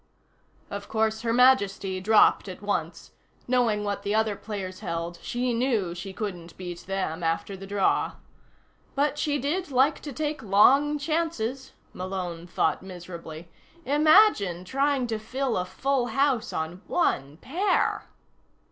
Of course Her Majesty dropped at once; knowing what the other players held, she knew she couldn't beat them after the draw. But she did like to take long chances, Malone thought miserably. Imagine trying to fill a full house on one pair!